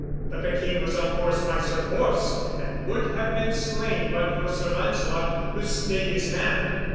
But the King was unhorsed by Sir Bors, and would have been slain but for Sir Lancelot, who stayed his hand.